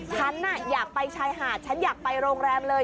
ฉันอยากไปชายหาดฉันอยากไปโรงแรมเลย